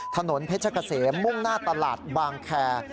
ถนนเพชรเกษมมุ่งหน้าตลาดบางแคร์